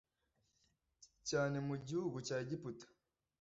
cyane mu gihugu cya Egiputa